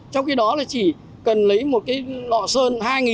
trong khi đó là chỉ cần lấy một cái lọ sơn